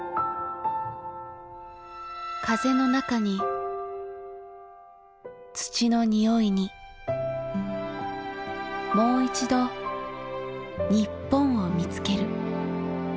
風の中に土のにおいにもう一度、日本を見つける。